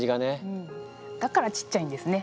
うんだからちっちゃいんですね